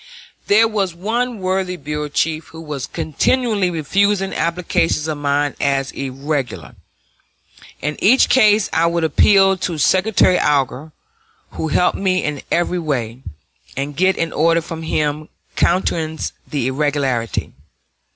There was one worthy bureau chief who was continually refusing applications of mine as irregular. In each case I would appeal to Secretary Alger who helped me in every way and get an order from him countenancing the irregularity.